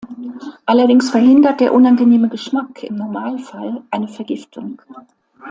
Allerdings verhindert der unangenehme Geschmack im Normalfall eine Vergiftung.